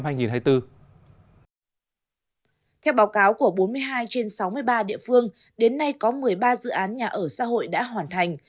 theo báo cáo của bốn mươi hai trên sáu mươi ba địa phương đến nay có một mươi ba dự án nhà ở xã hội đã hoàn thành